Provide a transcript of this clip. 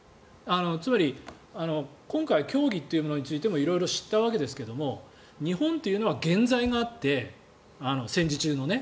つまり、今回教義というものについても色々知ったわけですけど日本というのは原罪があって戦時中のね。